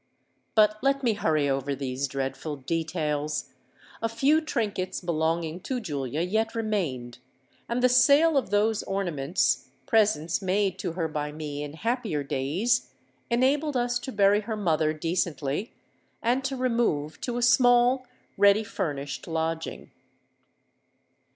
"But let me hurry over these dreadful details. A few trinkets belonging to Julia yet remained; and the sale of those ornaments—presents made to her by me in happier days—enabled us to bury her mother decently, and to remove to a small ready furnished lodging.